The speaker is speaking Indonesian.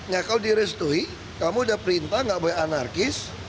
ya kalau direstui kamu sudah perintah tidak boleh anarkis